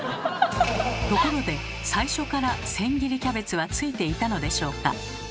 ところで最初から千切りキャベツはついていたのでしょうか？